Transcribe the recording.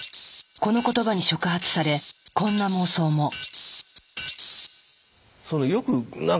この言葉に触発されこんな妄想も。